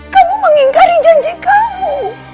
kamu mengingkari janji kamu